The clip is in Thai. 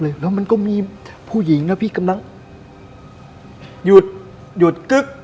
แล้วมันก็มีผู้หญิงนะพี่กำลังหยุดหยุดกึ๊ก